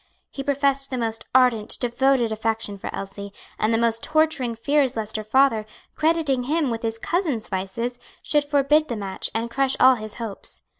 He professed the most ardent, devoted affection for Elsie, and the most torturing fears lest her father, crediting him with his cousin's vices, should forbid the match and crush all his hopes.